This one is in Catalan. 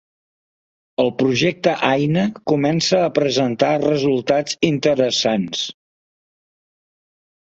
El projecte Aina comença a presentar resultats interessants.